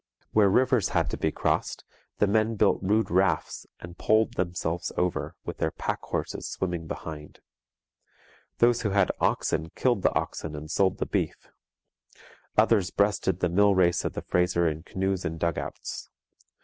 Where rivers had to be crossed, the men built rude rafts and poled themselves over, with their pack horses swimming behind. Those who had oxen killed the oxen and sold the beef. Others breasted the mill race of the Fraser in canoes and dugouts.